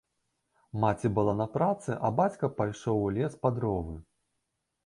Маці была на працы, а бацька пайшоў ў лес па дровы.